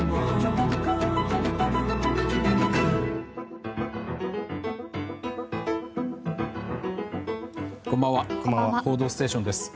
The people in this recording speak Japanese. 「報道ステーション」です。